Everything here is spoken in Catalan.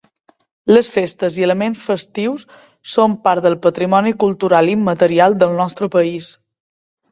Les festes i elements festius són part del patrimoni cultural immaterial del nostre país.